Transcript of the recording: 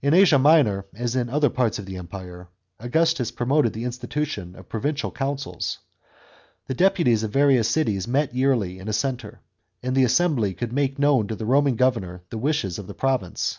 In Asia Minor, as in other parts of the Empire, Augustus promoted the institution of provincial councils. The deputies of the various cities met yearly in a centre, and the assembly could make known to the Roman governor the w^hes of the province.